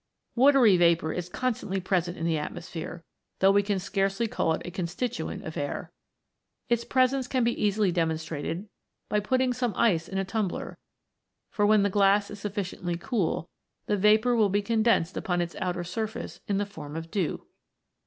Watery vapour is constantly present in the atmosphere, though we can scarcely call it a consti tuent of air. Its presence can be easily demonstrated by putting some ice in a tumbler, for when the glass is sufficiently cool, the vapour will be con densed upon its outer surface in the form of dew.